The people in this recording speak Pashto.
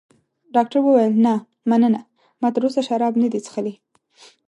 ډاکټر وویل: نه، مننه، ما تراوسه شراب نه دي څښلي.